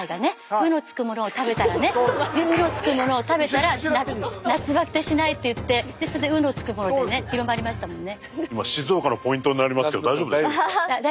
「う」のつくものを食べたらね「う」のつくものを食べたら夏バテしないって言ってそれで「う」のつくものでね広まりましたもんね。